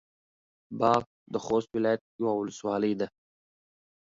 باک د خوست ولايت يوه ولسوالي ده.